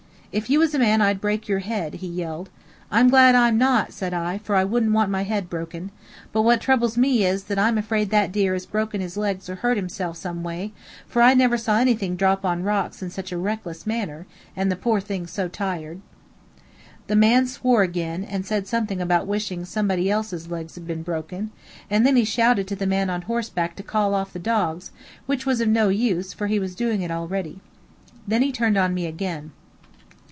"If you was a man I'd break your head," he yelled. "I'm glad I'm not," said I, "for I wouldn't want my head broken. But what troubles me is, that I'm afraid that deer has broken his legs or hurt himself some way, for I never saw anything drop on rocks in such a reckless manner, and the poor thing so tired." The man swore again, and said something about wishing somebody else's legs had been broken; and then he shouted to the man on horseback to call off the dogs, which was of no use, for he was doing it already. Then he turned on me again.